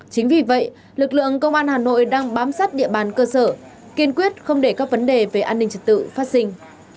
chính vì vậy lực lượng công an hà nội đang bám sát địa bàn cơ sở kiên quyết không để các vấn đề về an ninh trật tự phát sinh